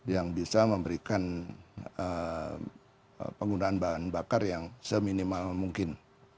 yang bisa memberikan penggunaan bahan bakar yang seminimal mungkin